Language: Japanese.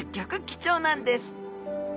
貴重なんです。